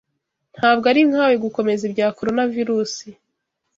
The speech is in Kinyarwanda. Ntabwo ari nkawe gukomeza ibya Coronavirusi.